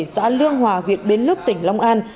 xã lương hòa huyện bến lước tỉnh long an